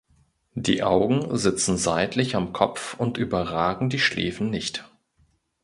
Die Augen sitzen seitlich am Kopf und überragen die Schläfen nicht.